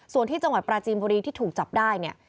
ส่วนที่จังหวัดปราจีนบุรีที่ถูกจับได้เนี่ย